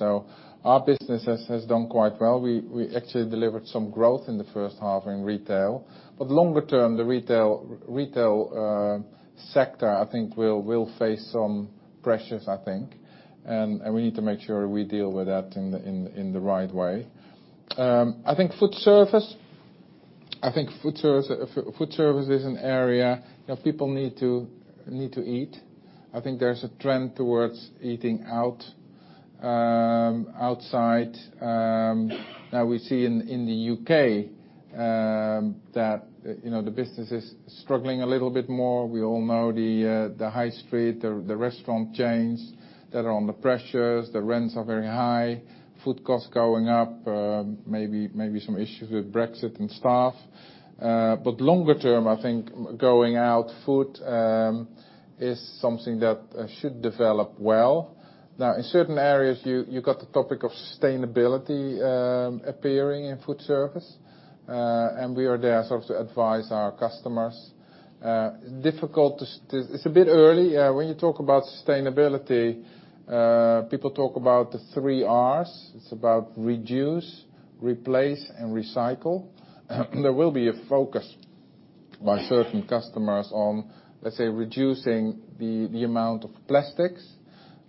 A: Our business has done quite well. We actually delivered some growth in the first half in retail. Longer term, the retail sector, I think will face some pressures, I think. We need to make sure we deal with that in the right way. I think food service is an area that people need to eat. I think there's a trend towards eating out. Now we see in the U.K. that the business is struggling a little bit more. We all know the high street, the restaurant chains that are under pressures, the rents are very high, food costs going up, maybe some issues with Brexit and staff. Longer term, I think going out food is something that should develop well. In certain areas, you've got the topic of sustainability appearing in food service, and we are there sort of to advise our customers. It's a bit early. When you talk about sustainability, people talk about the 3 Rs. It's about reduce, replace, and recycle. There will be a focus by certain customers on, let's say, reducing the amount of plastics.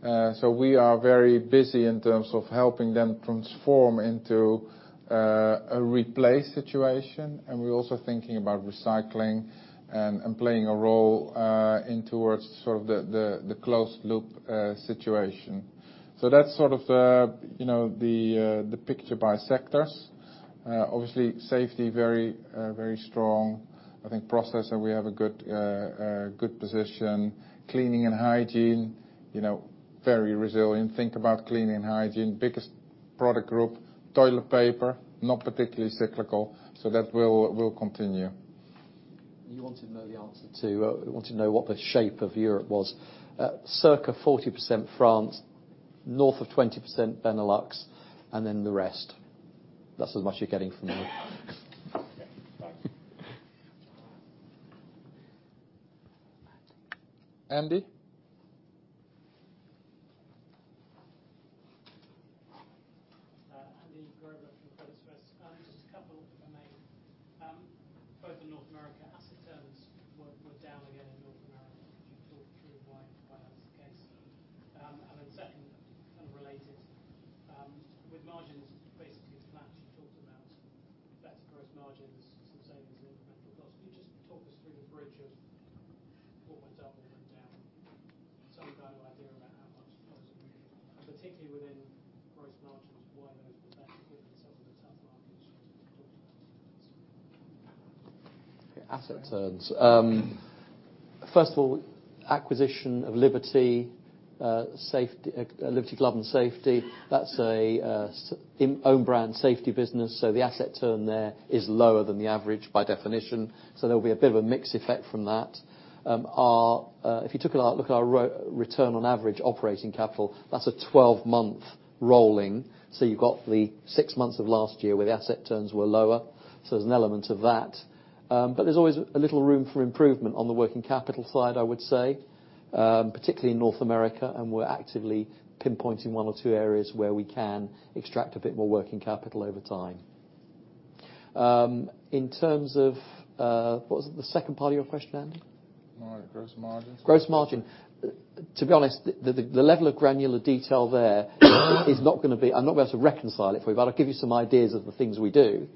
A: We are very busy in terms of helping them transform into a replace situation. We're also thinking about recycling and playing a role in towards the closed loop situation. That's the picture by sectors. Obviously, safety, very strong. I think PPE, we have a good position. Cleaning and hygiene, very resilient. Think about cleaning and hygiene, biggest product group. Toilet paper, not particularly cyclical, that will continue.
B: You wanted to know what the shape of Europe was. Circa 40% France, north of 20% Benelux, and then the rest. That's as much you're getting from me.
A: Andy?
G: Andy Grobler from Credit Suisse. Just a couple if I may. Both in North America, asset turns were down again in North America. Could you talk through why that was the case? Second, kind of related, with margins basically flat, you talked about better gross margins, some savings in incremental costs. Could you just talk us through the bridge of what went up and went down? Some kind of idea about how much it costs, and particularly within gross margins, why those were better in some of the tough markets you talked about.
B: Asset turns. First of all, acquisition of Liberty Glove & Safety, that's a own brand safety business, the asset turn there is lower than the average, by definition. There'll be a bit of a mix effect from that. If you took a look at our return on average operating capital, that's a 12-month rolling. You've got the six months of last year where the asset turns were lower, there's an element of that. There's always a little room for improvement on the working capital side, I would say, particularly in North America, and we're actively pinpointing one or two areas where we can extract a bit more working capital over time. In terms of, what was it? The second part of your question, Andy?
A: Gross margins.
B: Gross margin. To be honest, the level of granular detail there, I'm not going to be able to reconcile it for you, but I'll give you some ideas of the things we do.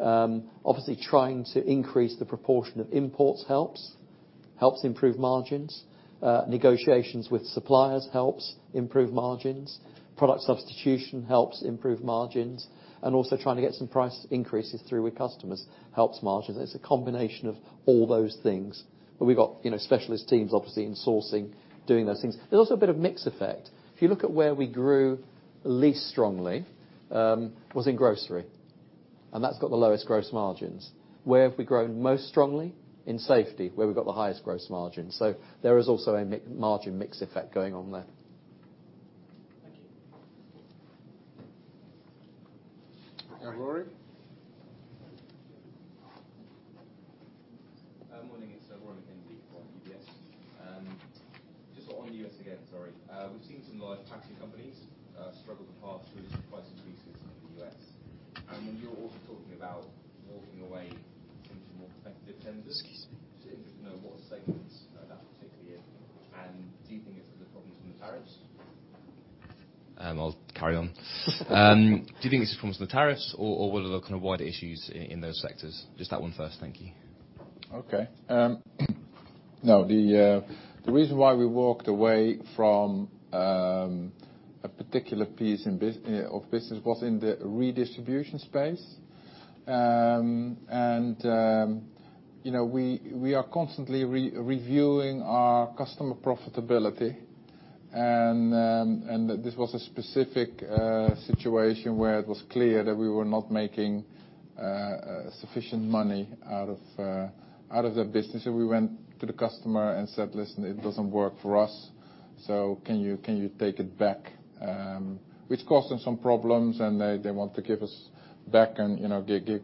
B: Obviously, trying to increase the proportion of imports helps improve margins. Negotiations with suppliers helps improve margins. Product substitution helps improve margins, and also trying to get some price increases through with customers helps margins. It's a combination of all those things. We've got specialist teams, obviously, in sourcing, doing those things. There's also a bit of mix effect. If you look at where we grew least strongly, was in grocery, and that's got the lowest gross margins. Where have we grown most strongly? In safety, where we've got the highest gross margin. There is also a margin mix effect going on there.
G: Thank you.
A: Lara?
H: Morning. It's Lara De-Lish from UBS. Just on the U.S. again, sorry. We've seen some large packaging companies struggle in the past with price increases in the U.S. Then you're also talking about walking away from some more competitive tenders.
B: Excuse me?
H: Just interested to know what segments that particularly in? Do you think this is a problem from the tariffs? I'll carry on. Do you think this is a problem from the tariffs or what are the kind of wider issues in those sectors? Just that one first. Thank you.
A: Okay. No, the reason why we walked away from a particular piece of business was in the redistribution space. We are constantly reviewing our customer profitability. This was a specific situation where it was clear that we were not making sufficient money out of the business. We went to the customer and said, "Listen, it doesn't work for us, so can you take it back?" Which caused them some problems, and they want to give us back and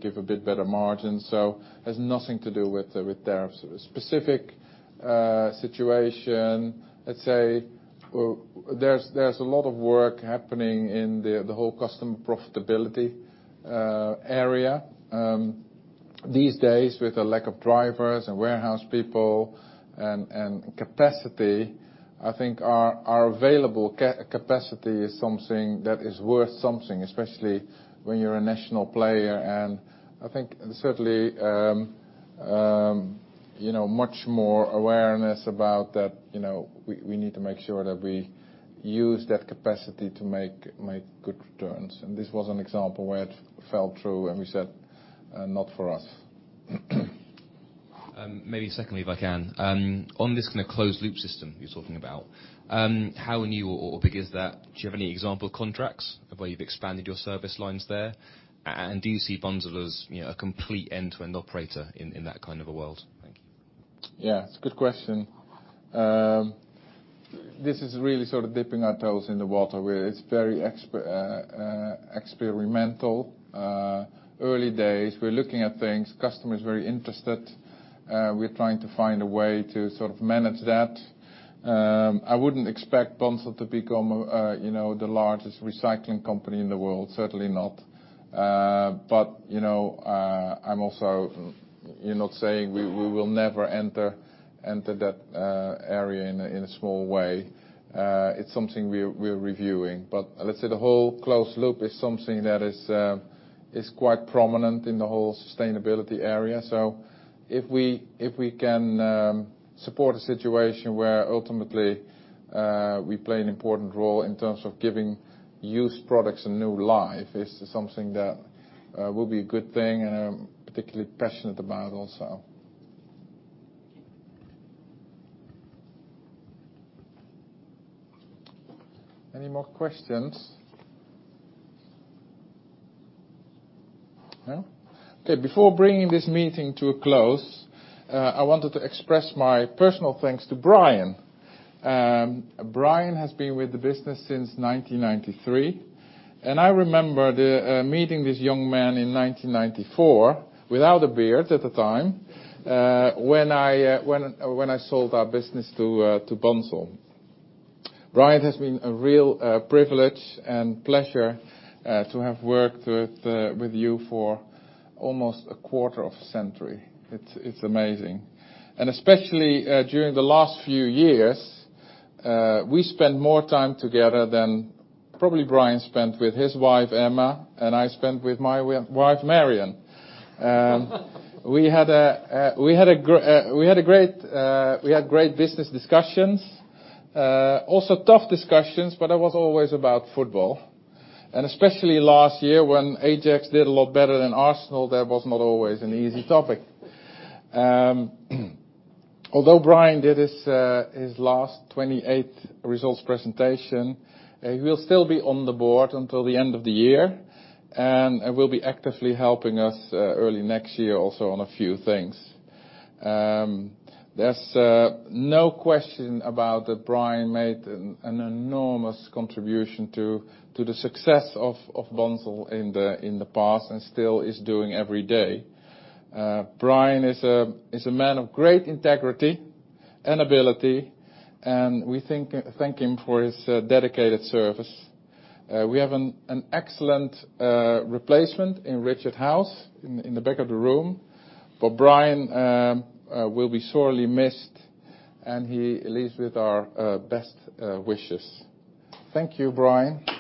A: give a bit better margin. It has nothing to do with tariffs. A specific situation, let's say, there's a lot of work happening in the whole customer profitability area. These days, with the lack of drivers and warehouse people and capacity, I think our available capacity is something that is worth something, especially when you're a national player. I think certainly, much more awareness about that we need to make sure that we use that capacity to make good returns. This was an example where it fell through, and we said, "Not for us.
H: Maybe secondly, if I can. On this kind of closed-loop system you're talking about, how new or big is that? Do you have any example contracts of where you've expanded your service lines there? Do you see Bunzl as a complete end-to-end operator in that kind of a world? Thank you.
A: It's a good question. This is really sort of dipping our toes in the water, where it's very experimental. Early days. We're looking at things. Customer's very interested. We're trying to find a way to sort of manage that. I wouldn't expect Bunzl to become the largest recycling company in the world, certainly not. I'm also not saying we will never enter that area in a small way. It's something we're reviewing. Let's say the whole closed loop is something that is quite prominent in the whole sustainability area. If we can support a situation where ultimately we play an important role in terms of giving used products a new life, it's something that will be a good thing, and I'm particularly passionate about also. Any more questions? No? Before bringing this meeting to a close, I wanted to express my personal thanks to Brian. Brian has been with the business since 1993, and I remember meeting this young man in 1994, without a beard at the time, when I sold our business to Bunzl. Brian, it has been a real privilege and pleasure to have worked with you for almost a quarter of a century. It's amazing. Especially during the last few years, we spent more time together than probably Brian spent with his wife, Emma, and I spent with my wife, Marion. We had great business discussions. Also tough discussions, but that was always about football. Especially last year, when Ajax did a lot better than Arsenal, that was not always an easy topic. Although Brian did his last 28th results presentation, he will still be on the board until the end of the year, and will be actively helping us early next year also on a few things. There's no question about that Brian made an enormous contribution to the success of Bunzl in the past, and still is doing every day. Brian is a man of great integrity and ability, and we thank him for his dedicated service. We have an excellent replacement in Richard Howes, in the back of the room. Brian will be sorely missed, and he leaves with our best wishes. Thank you, Brian